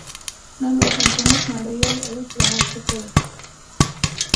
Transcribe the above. • نن ورځ انټرنېټ نړیوالې اړیکې رامنځته کړې.